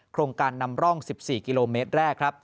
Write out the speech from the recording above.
โครงการนำร่อง๑๔กิโลเมตรแรกครับ